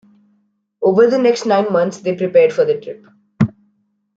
Over the next nine months they prepared for the trip.